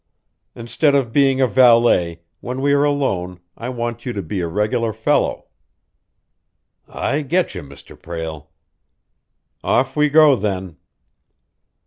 Instead of being a valet, when we are alone, I want you to be a regular fellow." "I getcha, Mr. Prale." "Off we go, then."